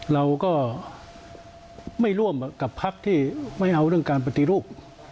เราก็ไม่ร่วมกับพักที่ไม่เอาเรื่องการปฏิรูป